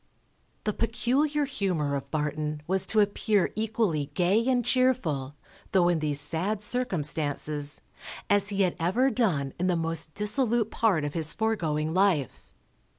The peculiar humour of Barton was to appear equally gay and cheerful, though in these sad circumstances, as he had ever done in the most dissolute part of his foregoing life.